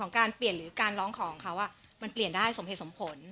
การเปลี่ยนหรือการร้องของเขามันเปลี่ยนได้สมเหตุสมผล